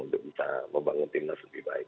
untuk bisa membangun timnas lebih baik